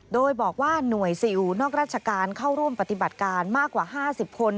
โดยบอกว่าหน่วยซิลนอกราชการเข้าร่วมปฏิบัติการมากกว่า๕๐คน